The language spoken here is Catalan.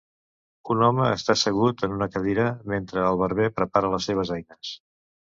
Un home està assegut en una cadira mentre el barber prepara les seves eines.